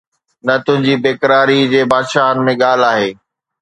ته تنهنجي بيقراري جي بادشاهن ۾ ڳالهه آهي